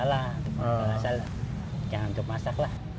kalau masalah jangan untuk masak lah